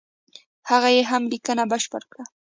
هغه یې هم لیکنه بشپړه کړه.